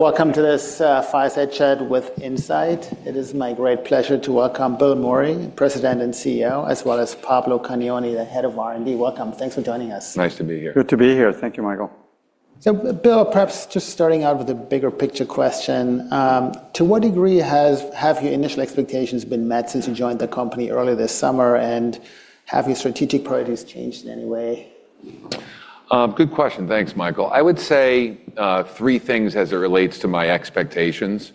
Welcome to this Fireside Chat with Incyte. It is my great pleasure to welcome Bill Meury, President and CEO, as well as Pablo Cagnoni, the Head of R&D. Welcome. Thanks for joining us. Nice to be here. Good to be here. Thank you, Michael. Bill, perhaps just starting out with a bigger picture question. To what degree have your initial expectations been met since you joined the company earlier this summer, and have your strategic priorities changed in any way? Good question. Thanks, Michael. I would say three things as it relates to my expectations.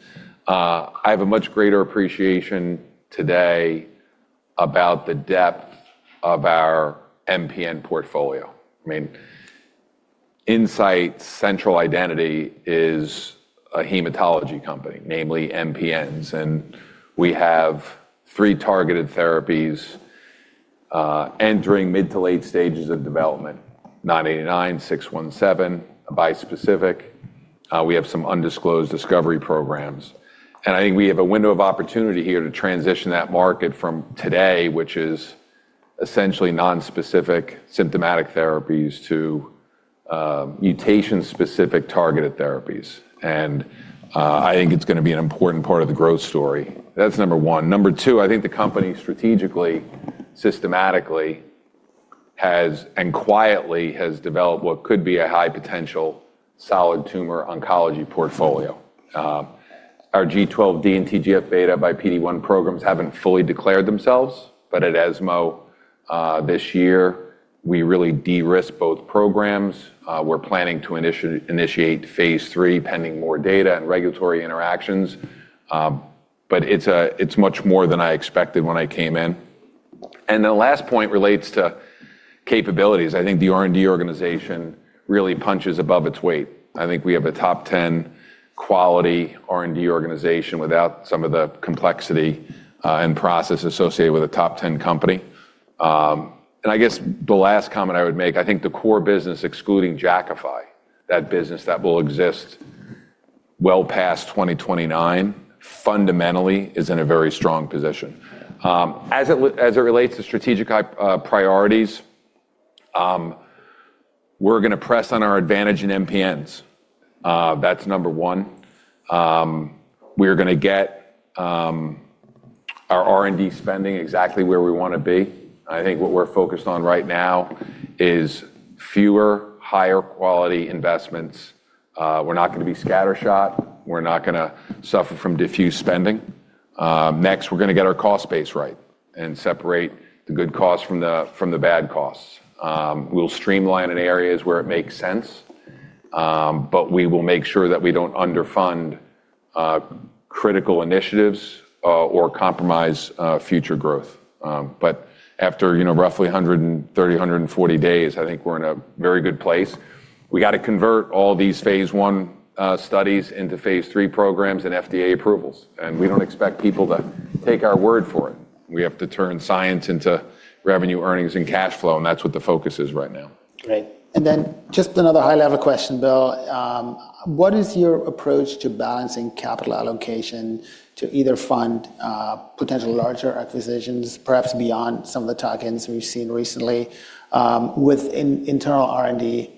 I have a much greater appreciation today about the depth of our MPN portfolio. I mean, Incyte's central identity is a hematology company, namely MPNs. We have three targeted therapies entering mid to late stages of development: 989, 617, bispecific. We have some undisclosed discovery programs. I think we have a window of opportunity here to transition that market from today, which is essentially nonspecific symptomatic therapies, to mutation-specific targeted therapies. I think it is going to be an important part of the growth story. That is number one. Number two, I think the company strategically, systematically, and quietly has developed what could be a high-potential solid tumor oncology portfolio. Our G12D and TGF-β by PD-1 programs have not fully declared themselves, but at ESMO this year, we really de-risked both programs. We're planning to initiate phase three pending more data and regulatory interactions. It's much more than I expected when I came in. The last point relates to capabilities. I think the R&D organization really punches above its weight. I think we have a top-ten quality R&D organization without some of the complexity and process associated with a top-ten company. I guess the last comment I would make, I think the core business, excluding Jakafi, that business that will exist well past 2029, fundamentally is in a very strong position. As it relates to strategic priorities, we're going to press on our advantage in MPNs. That's number one. We're going to get our R&D spending exactly where we want to be. I think what we're focused on right now is fewer, higher-quality investments. We're not going to be scattershot. We're not going to suffer from diffuse spending. Next, we're going to get our cost base right and separate the good costs from the bad costs. We'll streamline in areas where it makes sense, but we will make sure that we don't underfund critical initiatives or compromise future growth. After roughly 130-140 days, I think we're in a very good place. We got to convert all these phase one studies into phase three programs and FDA approvals. We don't expect people to take our word for it. We have to turn science into revenue, earnings, and cash flow, and that's what the focus is right now. Great. Just another high-level question, Bill. What is your approach to balancing capital allocation to either fund potential larger acquisitions, perhaps beyond some of the tokens we've seen recently, with internal R&D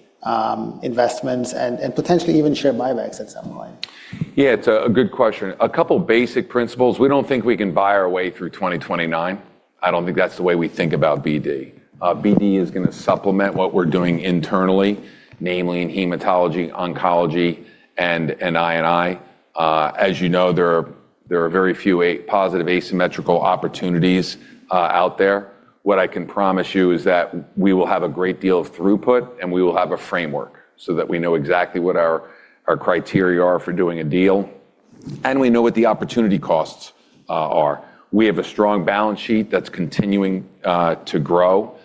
investments and potentially even share buybacks at some point? Yeah, it's a good question. A couple of basic principles. We don't think we can buy our way through 2029. I don't think that's the way we think about BD. BD is going to supplement what we're doing internally, namely in hematology, oncology, and I&I. As you know, there are very few positive asymmetrical opportunities out there. What I can promise you is that we will have a great deal of throughput, and we will have a framework so that we know exactly what our criteria are for doing a deal, and we know what the opportunity costs are. We have a strong balance sheet that's continuing to grow.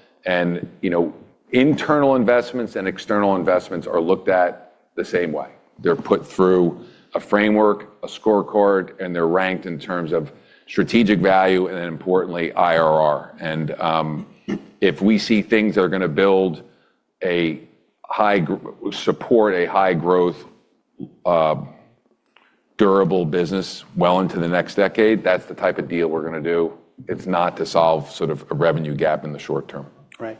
Internal investments and external investments are looked at the same way. They're put through a framework, a scorecard, and they're ranked in terms of strategic value and, importantly, IRR. If we see things that are going to build a high-support, high-growth, durable business well into the next decade, that's the type of deal we're going to do. It's not to solve sort of a revenue gap in the short term. Right.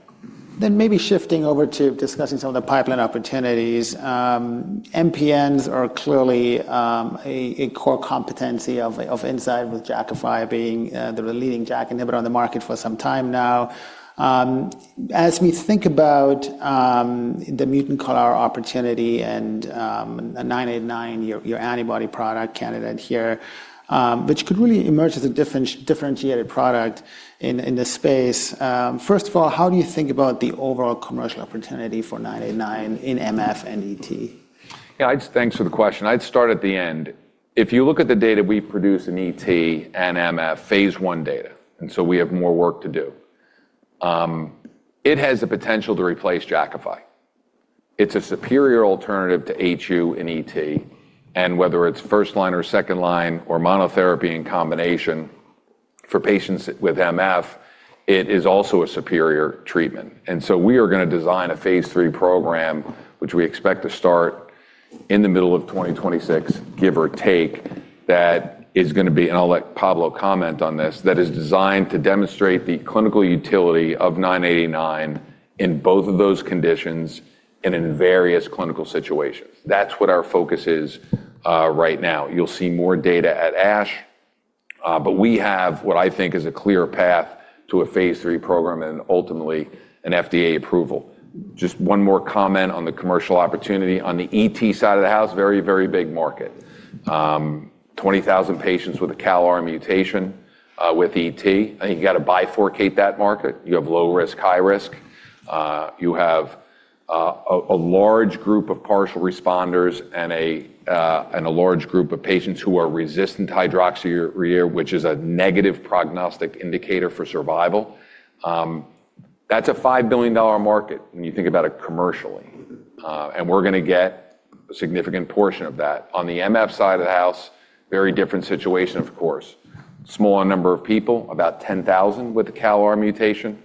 Then maybe shifting over to discussing some of the pipeline opportunities. MPNs are clearly a core competency of Incyte, with Jakafi being the leading JAK inhibitor on the market for some time now. As we think about the mutant CALR opportunity and 989, your antibody product candidate here, which could really emerge as a differentiated product in the space. First of all, how do you think about the overall commercial opportunity for 989 in MF and ET? Yeah, thanks for the question. I'd start at the end. If you look at the data we produce in ET and MF, phase one data, and so we have more work to do, it has the potential to replace Jakafi. It's a superior alternative to HU in ET. Whether it's first line or second line or monotherapy in combination for patients with MF, it is also a superior treatment. We are going to design a phase three program, which we expect to start in the middle of 2026, give or take, that is going to be—and I'll let Pablo comment on this—that is designed to demonstrate the clinical utility of 989 in both of those conditions and in various clinical situations. That's what our focus is right now. You'll see more data at ASH, but we have what I think is a clear path to a phase three program and ultimately an FDA approval. Just one more comment on the commercial opportunity on the ET side of the house, very, very big market. 20,000 patients with a CalR mutation with ET. You got to bifurcate that market. You have low risk, high risk. You have a large group of partial responders and a large group of patients who are resistant to hydroxyurea, which is a negative prognostic indicator for survival. That's a $5 billion market when you think about it commercially. And we're going to get a significant portion of that. On the MF side of the house, very different situation, of course. Smaller number of people, about 10,000 with a CalR mutation.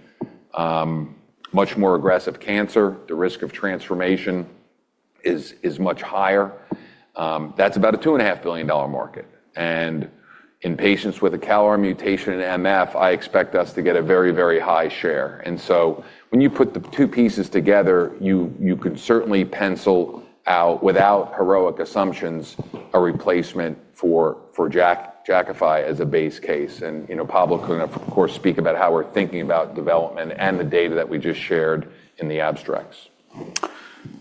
Much more aggressive cancer. The risk of transformation is much higher. That's about a $2.5 billion market. In patients with a CalR mutation in MF, I expect us to get a very, very high share. When you put the two pieces together, you could certainly pencil out, without heroic assumptions, a replacement for Jakafi as a base case. Pablo could, of course, speak about how we're thinking about development and the data that we just shared in the abstracts.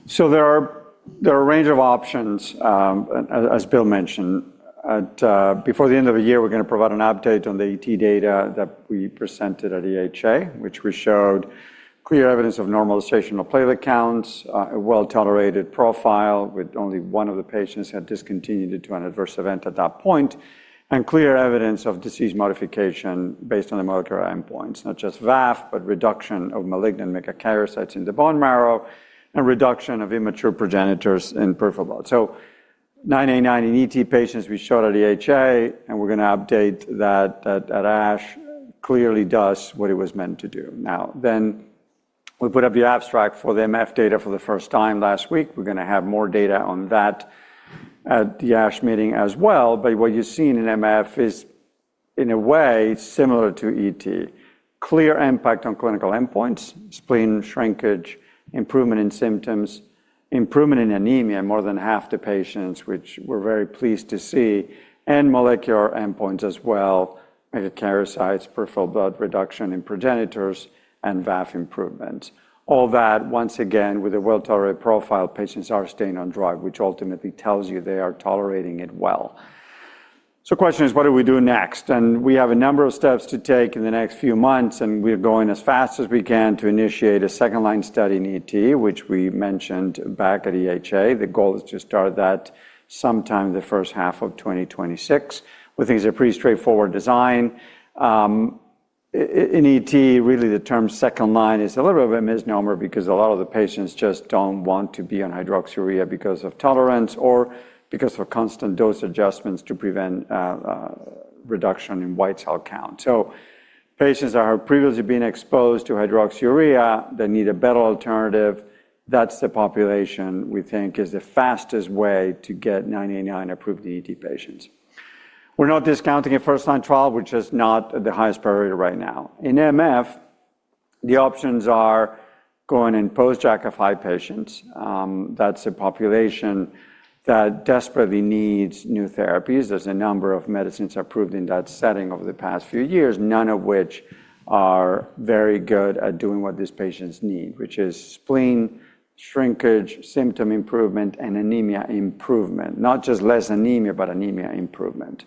There are a range of options, as Bill mentioned. Before the end of the year, we're going to provide an update on the ET data that we presented at EHA, which showed clear evidence of normalization of platelet counts, a well-tolerated profile with only one of the patients having discontinued due to an adverse event at that point, and clear evidence of disease modification based on the molecular endpoints, not just VAF, but reduction of malignant megakaryocytes in the bone marrow and reduction of immature progenitors in peripheral blood. 989 in ET patients we showed at EHA, and we're going to update that at ASH. Clearly does what it was meant to do. We put up the abstract for the MF data for the first time last week. We're going to have more data on that at the ASH meeting as well. What you've seen in MF is, in a way, similar to ET. Clear impact on clinical endpoints: spleen shrinkage, improvement in symptoms, improvement in anemia in more than half the patients, which we're very pleased to see, and molecular endpoints as well: megakaryocytes, peripheral blood reduction in progenitors, and VAF improvement. All that, once again, with a well-tolerated profile, patients are staying on drug, which ultimately tells you they are tolerating it well. The question is, what do we do next? We have a number of steps to take in the next few months, and we're going as fast as we can to initiate a second line study in ET, which we mentioned back at EHA. The goal is to start that sometime in the first half of 2026. We think it's a pretty straightforward design. In ET, really, the term second line is a little bit of a misnomer because a lot of the patients just do not want to be on hydroxyurea because of tolerance or because of constant dose adjustments to prevent reduction in white cell count. So patients that have previously been exposed to hydroxyurea that need a better alternative, that is the population we think is the fastest way to get 989 approved in ET patients. We are not discounting a first-line trial, which is not the highest priority right now. In MF, the options are going in post-Jakafi patients. That is a population that desperately needs new therapies. There is a number of medicines approved in that setting over the past few years, none of which are very good at doing what these patients need, which is spleen shrinkage, symptom improvement, and anemia improvement. Not just less anemia, but anemia improvement.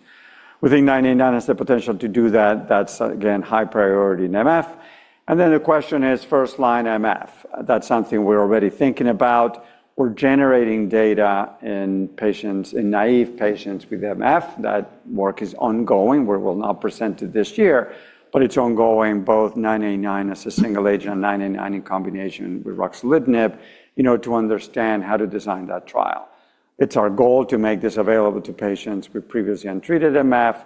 We think 989 has the potential to do that. That's, again, high priority in MF. The question is, first line MF. That's something we're already thinking about. We're generating data in patients, in naive patients with MF. That work is ongoing. We will not present it this year, but it's ongoing, both 989 as a single agent and 989 in combination with ruxolitinib, to understand how to design that trial. It's our goal to make this available to patients with previously untreated MF,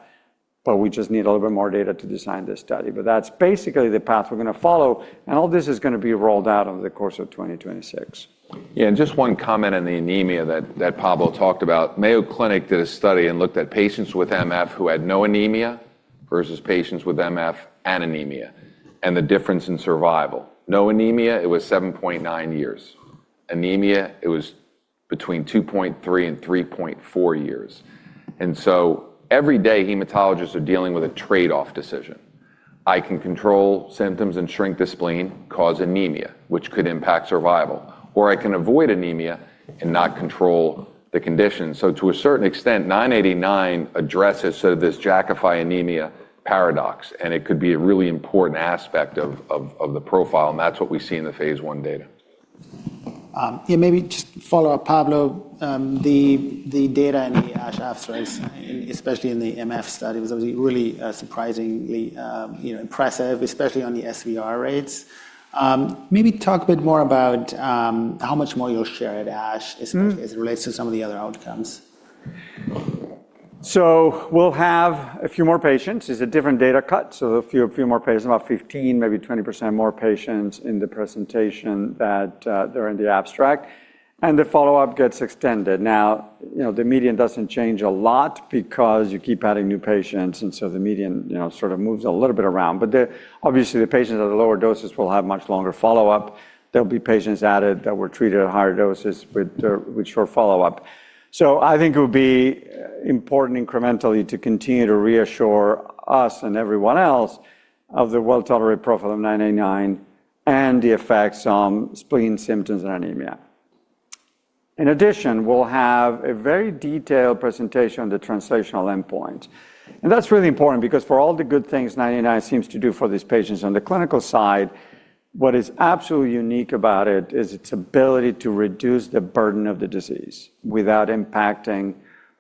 but we just need a little bit more data to design this study. That's basically the path we're going to follow. All this is going to be rolled out over the course of 2026. Yeah, and just one comment on the anemia that Pablo talked about. Mayo Clinic did a study and looked at patients with MF who had no anemia versus patients with MF and anemia and the difference in survival. No anemia, it was 7.9 years. Anemia, it was between 2.3 and 3.4 years. Every day, hematologists are dealing with a trade-off decision. I can control symptoms and shrink the spleen, cause anemia, which could impact survival. Or I can avoid anemia and not control the condition. To a certain extent, 989 addresses sort of this Jakafi anemia paradox, and it could be a really important aspect of the profile. That is what we see in the phase one data. Yeah, maybe just follow up, Pablo, the data in the ASH abstracts, especially in the MF study, was really surprisingly impressive, especially on the SVR rates. Maybe talk a bit more about how much more you'll share at ASH as it relates to some of the other outcomes. We'll have a few more patients. It's a different data cut. A few more patients, about 15%-20% more patients in the presentation than are in the abstract. The follow-up gets extended. Now, the median doesn't change a lot because you keep adding new patients, and so the median sort of moves a little bit around. Obviously, the patients at the lower doses will have much longer follow-up. There will be patients added that were treated at higher doses with short follow-up. I think it would be important incrementally to continue to reassure us and everyone else of the well-tolerated profile of 989 and the effects on spleen symptoms and anemia. In addition, we'll have a very detailed presentation on the translational endpoints. That is really important because for all the good things 989 seems to do for these patients on the clinical side, what is absolutely unique about it is its ability to reduce the burden of the disease without impacting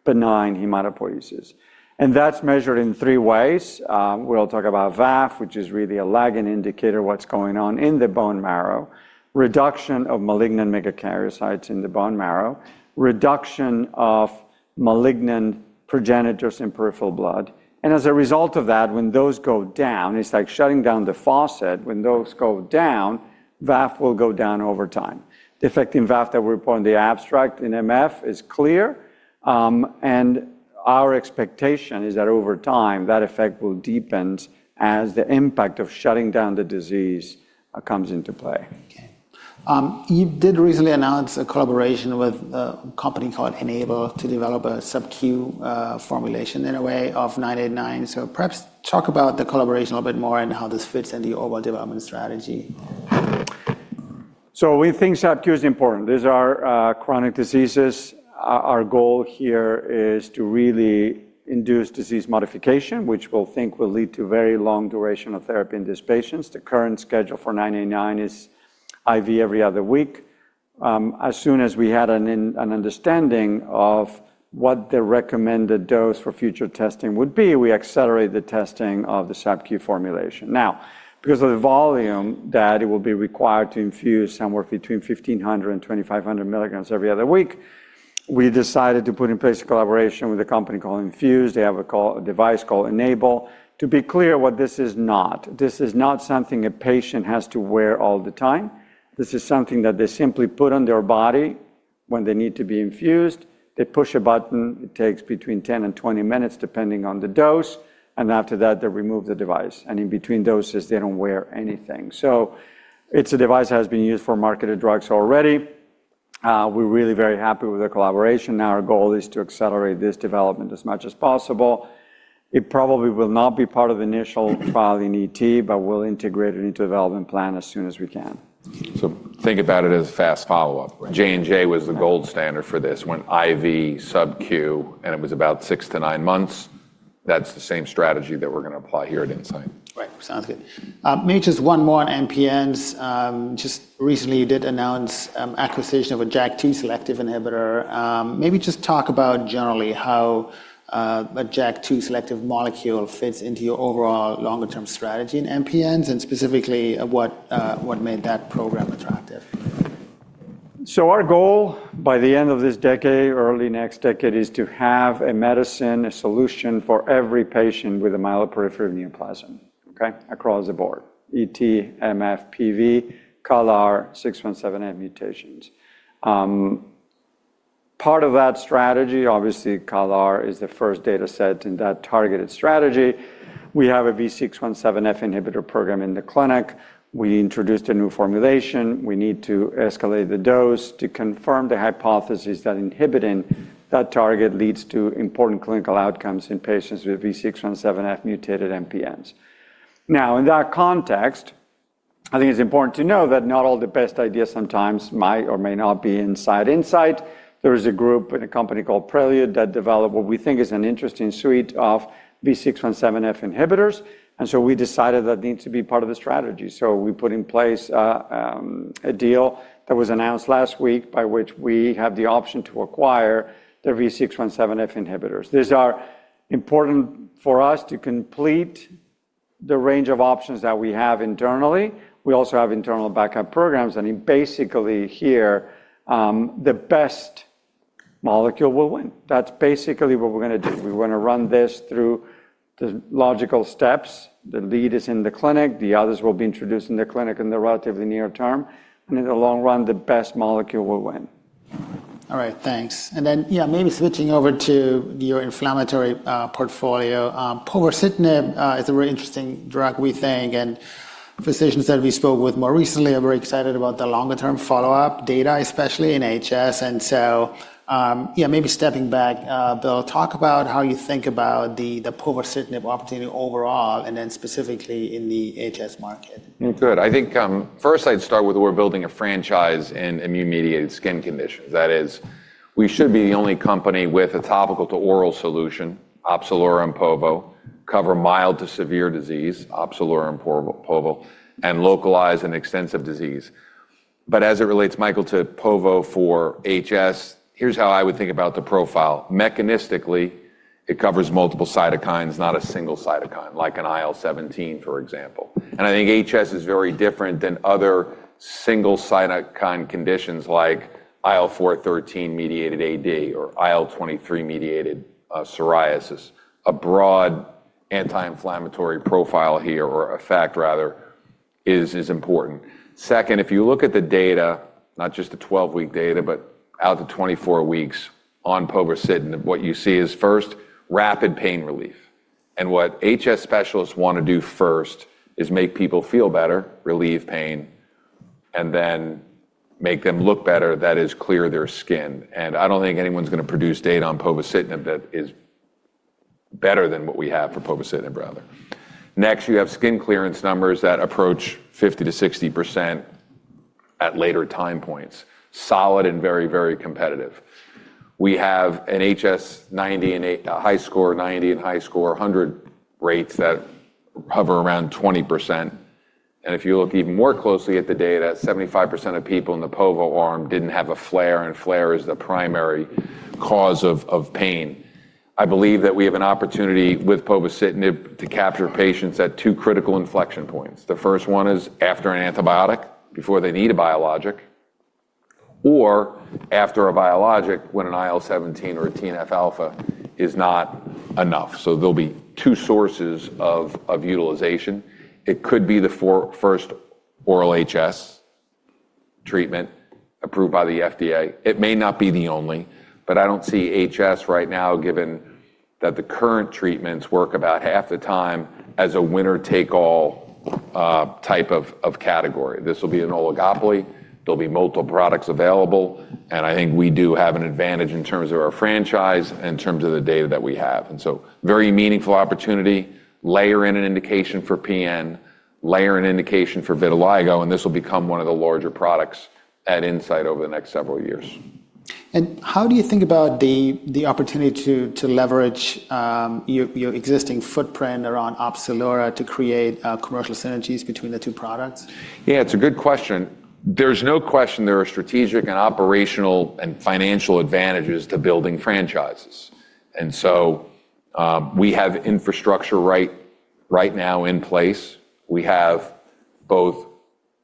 benign hematopoiesis. That is measured in three ways. We will talk about VAF, which is really a lagging indicator of what is going on in the bone marrow, reduction of malignant megakaryocytes in the bone marrow, reduction of malignant progenitors in peripheral blood. As a result of that, when those go down, it is like shutting down the faucet. When those go down, VAF will go down over time. The effect in VAF that we report in the abstract in MF is clear. Our expectation is that over time, that effect will deepen as the impact of shutting down the disease comes into play. You did recently announce a collaboration with a company called Enable Injections to develop a SubQ formulation in a way of 989. Perhaps talk about the collaboration a little bit more and how this fits in the overall development strategy. We think subQ is important. These are chronic diseases. Our goal here is to really induce disease modification, which we think will lead to very long duration of therapy in these patients. The current schedule for 989 is IV every other week. As soon as we had an understanding of what the recommended dose for future testing would be, we accelerated the testing of the subQ formulation. Now, because of the volume that will be required to infuse, somewhere between 1,500 and 2,500 milligrams every other week, we decided to put in place a collaboration with a company called Enable Injections. They have a device called Enable. To be clear, what this is not. This is not something a patient has to wear all the time. This is something that they simply put on their body when they need to be infused. They push a button. It takes between 10 and 20 minutes depending on the dose. After that, they remove the device. In between doses, they do not wear anything. It is a device that has been used for marketed drugs already. We are really very happy with the collaboration. Our goal is to accelerate this development as much as possible. It probably will not be part of the initial trial in ET, but we will integrate it into the development plan as soon as we can. Think about it as a fast follow-up. J&J was the gold standard for this when IV SubQ, and it was about six to nine months. That's the same strategy that we're going to apply here at Incyte. Right, sounds good. Maybe just one more on MPNs. Just recently, you did announce acquisition of a JAK2 selective inhibitor. Maybe just talk about generally how a JAK2 selective molecule fits into your overall longer-term strategy in MPNs and specifically what made that program attractive. Our goal by the end of this decade, early next decade, is to have a medicine, a solution for every patient with a myeloproliferative neoplasm, across the board: ET, MF, PV, CALR, 617F mutations. Part of that strategy, obviously, CALR is the first data set in that targeted strategy. We have a V617F inhibitor program in the clinic. We introduced a new formulation. We need to escalate the dose to confirm the hypothesis that inhibiting that target leads to important clinical outcomes in patients with V617F mutated MPNs. Now, in that context, I think it's important to know that not all the best ideas sometimes might or may not be inside Incyte. There is a group and a company called Prelude that developed what we think is an interesting suite of V617F inhibitors. And so we decided that needs to be part of the strategy. We put in place a deal that was announced last week by which we have the option to acquire the V617F inhibitors. These are important for us to complete the range of options that we have internally. We also have internal backup programs. Basically here, the best molecule will win. That's basically what we're going to do. We're going to run this through the logical steps. The lead is in the clinic. The others will be introduced in the clinic in the relatively near term. In the long run, the best molecule will win. All right, thanks. Yeah, maybe switching over to your inflammatory portfolio. Povorcitinib is a really interesting drug, we think. Physicians that we spoke with more recently are very excited about the longer-term follow-up data, especially in HS. Maybe stepping back, Bill, talk about how you think about the Povorcitinib opportunity overall and then specifically in the HS market. Good. I think first I'd start with we're building a franchise in immune-mediated skin conditions. That is, we should be the only company with a topical to oral solution, Opzelura and Povorcitinib, cover mild to severe disease, Opzelura and Povorcitinib, and localized and extensive disease. As it relates, Michael, to Povorcitinib for HS, here's how I would think about the profile. Mechanistically, it covers multiple cytokines, not a single cytokine, like an IL-17, for example. I think HS is very different than other single cytokine conditions like IL-4/13-mediated AD or IL-23-mediated psoriasis. A broad anti-inflammatory profile here, or effect rather, is important. Second, if you look at the data, not just the 12-week data, but out to 24 weeks on Povorcitinib, what you see is first, rapid pain relief. What HS specialists want to do first is make people feel better, relieve pain, and then make them look better, that is, clear their skin. I do not think anyone is going to produce data on povorcitinib that is better than what we have for povorcitinib, rather. Next, you have skin clearance numbers that approach 50%-60% at later time points, solid and very, very competitive. We have an HS 90 and high score, 90 and high score, 100 rates that hover around 20%. If you look even more closely at the data, 75% of people in the povo arm did not have a flare, and flare is the primary cause of pain. I believe that we have an opportunity with povorcitinib to capture patients at two critical inflection points. The first one is after an antibiotic, before they need a biologic, or after a biologic when an IL-17 or a TNF alpha is not enough. There will be two sources of utilization. It could be the first oral HS treatment approved by the FDA. It may not be the only, but I do not see HS right now, given that the current treatments work about 50% of the time, as a winner-take-all type of category. This will be an oligopoly. There will be multiple products available. I think we do have an advantage in terms of our franchise, in terms of the data that we have. A very meaningful opportunity, layer in an indication for PN, layer an indication for vitiligo, and this will become one of the larger products at Incyte over the next several years. How do you think about the opportunity to leverage your existing footprint around Opzelura to create commercial synergies between the two products? Yeah, it's a good question. There's no question there are strategic and operational and financial advantages to building franchises. We have infrastructure right now in place. We have both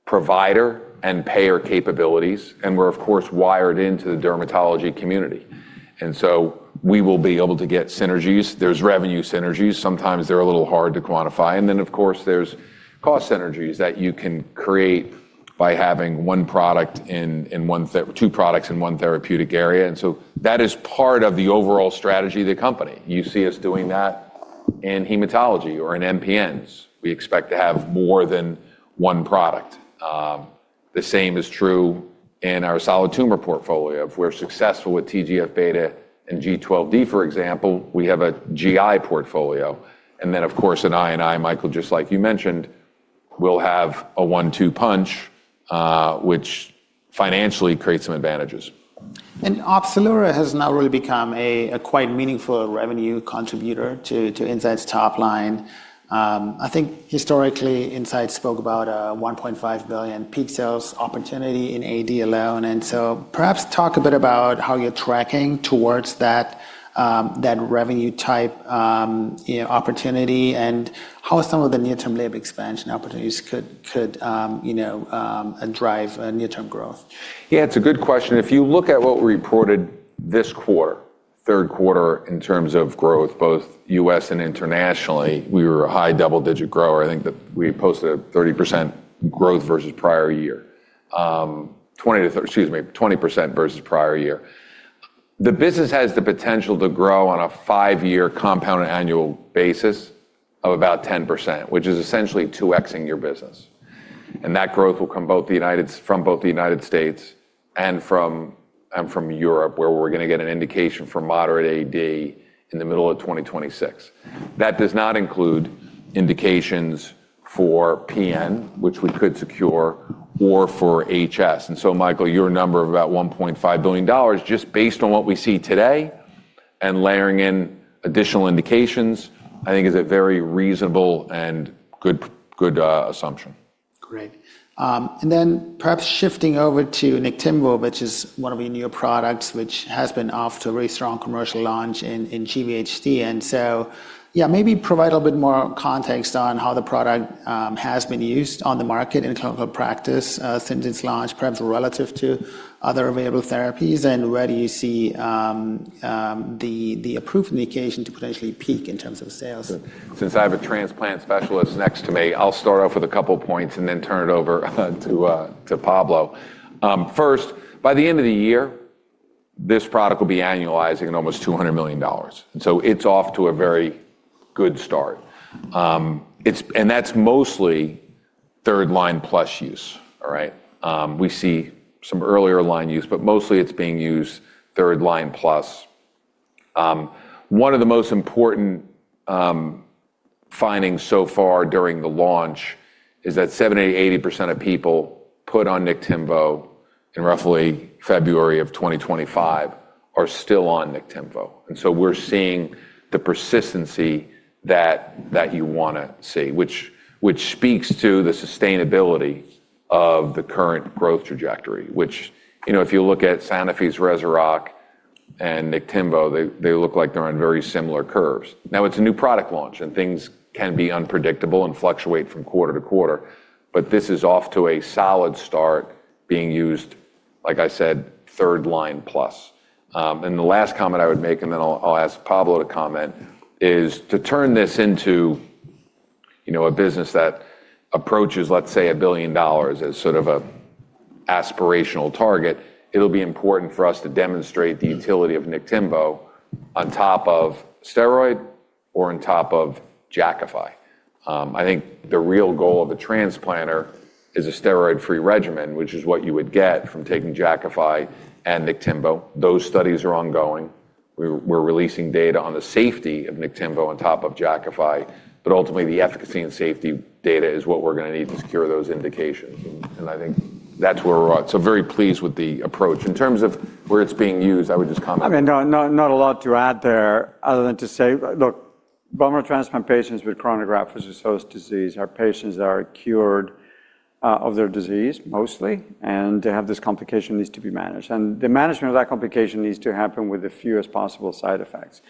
provider and payer capabilities. We're, of course, wired into the dermatology community. We will be able to get synergies. There's revenue synergies. Sometimes they're a little hard to quantify. Of course, there's cost synergies that you can create by having one product and two products in one therapeutic area. That is part of the overall strategy of the company. You see us doing that in hematology or in MPNs. We expect to have more than one product. The same is true in our solid tumor portfolio. If we're successful with TGF-β and G12D, for example, we have a GI portfolio. In INI, Michael, just like you mentioned, we'll have a one-two punch, which financially creates some advantages. Opzelura has now really become a quite meaningful revenue contributor to Incyte's top line. I think historically, Incyte spoke about a $1.5 billion peak sales opportunity in AD alone. Perhaps talk a bit about how you're tracking towards that revenue type opportunity and how some of the near-term lab expansion opportunities could drive near-term growth. Yeah, it's a good question. If you look at what we reported this quarter, third quarter, in terms of growth, both U.S. and internationally, we were a high double-digit grower. I think that we posted a 30% growth versus prior year, 20%, excuse me, 20% versus prior year. The business has the potential to grow on a five-year compounded annual basis of about 10%, which is essentially 2Xing your business. That growth will come from both the United States and from Europe, where we're going to get an indication for moderate AD in the middle of 2026. That does not include indications for PN, which we could secure, or for HS. Michael, your number of about $1.5 billion, just based on what we see today and layering in additional indications, I think is a very reasonable and good assumption. Great. Perhaps shifting over to Nectimbo, which is one of your newer products, which has been off to a very strong commercial launch in GVHD. Yeah, maybe provide a little bit more context on how the product has been used on the market in clinical practice since its launch, perhaps relative to other available therapies, and where do you see the approved indication to potentially peak in terms of sales. Since I have a transplant specialist next to me, I'll start off with a couple of points and then turn it over to Pablo. First, by the end of the year, this product will be annualizing at almost $200 million. It's off to a very good start. That's mostly third-line plus use, all right? We see some earlier line use, but mostly it's being used third-line plus. One of the most important findings so far during the launch is that 70%-80% of people put on Nectimbo in roughly February of 2025 are still on Nectimbo. We're seeing the persistency that you want to see, which speaks to the sustainability of the current growth trajectory, which, if you look at Sanofi's Rezurock and Nectimbo, they look like they're on very similar curves. Now, it's a new product launch, and things can be unpredictable and fluctuate from quarter to quarter. This is off to a solid start being used, like I said, third-line plus. The last comment I would make, and then I'll ask Pablo to comment, is to turn this into a business that approaches, let's say, $1 billion as sort of an aspirational target, it'll be important for us to demonstrate the utility of Nectimbo on top of steroid or on top of Jakafi. I think the real goal of a transplanter is a steroid-free regimen, which is what you would get from taking Jakafi and Nectimbo. Those studies are ongoing. We're releasing data on the safety of Nectimbo on top of Jakafi. Ultimately, the efficacy and safety data is what we're going to need to secure those indications. I think that's where we're at. Very pleased with the approach. In terms of where it's being used, I would just comment. I mean, not a lot to add there other than to say, look, bone marrow transplant patients with chronic graft-versus-host disease are patients that are cured of their disease mostly, and they have this complication that needs to be managed. The management of that complication needs to happen with the fewest possible side effects.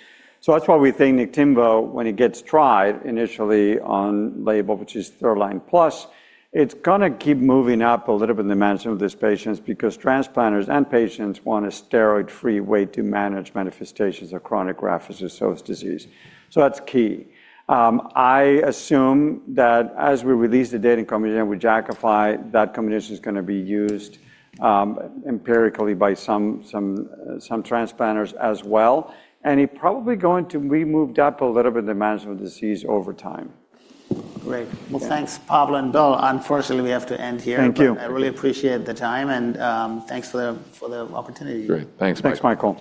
That is why we think Nectimbo, when it gets tried initially on label, which is third-line plus, is going to keep moving up a little bit in the management of these patients because transplanters and patients want a steroid-free way to manage manifestations of chronic graft-versus-host disease. That is key. I assume that as we release the data and combination with Jakafi, that combination is going to be used empirically by some transplanters as well. It is probably going to be moved up a little bit in the management of disease over time. Great. Thanks, Pablo and Bill. Unfortunately, we have to end here. Thank you. I really appreciate the time. Thanks for the opportunity. Great. Thanks, Michael. Thanks, Michael.